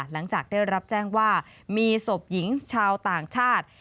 หลังจากได้รับแจ้งว่ามีศพหญิงชาวต่างชาติ